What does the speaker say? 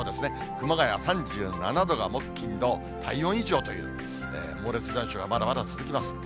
熊谷３７度が木、金、土、体温以上という猛烈残暑がまだまだ続きます。